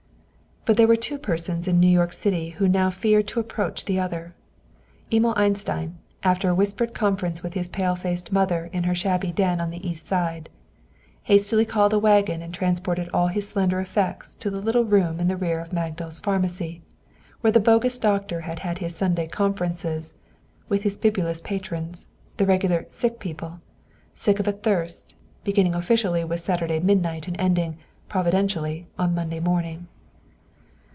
But there were two persons in New York City who now feared to approach each other. Emil Einstein, after a whispered conference with his pale faced mother in her shabby den on the East Side, hastily called a wagon and transported all his slender effects to the little room in rear of Magdal's Pharmacy, where the bogus doctor had had his Sunday conferences with his bibulous patrons the regular "sick people" sick of a thirst, beginning officially with Saturday midnight and ending, providentially, on Monday morning.